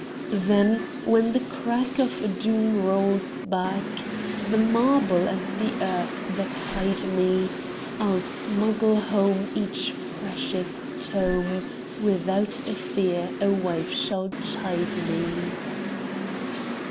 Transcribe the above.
Then when the crack Of doom rolls back The marble and the earth that hide me, I'll smuggle home Each precious tome Without a fear a wife shall chide me.